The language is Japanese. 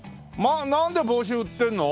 なんで帽子売ってるの？